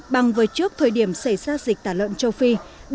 bằng với trước thời điểm xảy ra dịch tả lợn châu phi